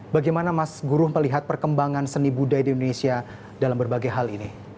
bagaimana mas guru melihat perkembangan seni budaya di indonesia dalam berbagai hal ini